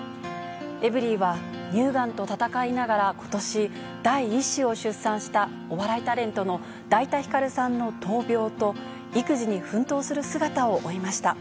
エブリィは、乳がんと闘いながらことし、第１子を出産したお笑いタレントのだいたひかるさんの闘病と、育児に奮闘する姿を追いました。